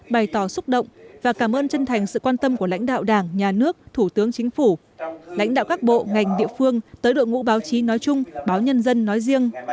bày tỏ xúc động và cảm ơn chân thành sự quan tâm của lãnh đạo đảng nhà nước thủ tướng chính phủ lãnh đạo các bộ ngành địa phương tới đội ngũ báo chí nói chung báo nhân dân nói riêng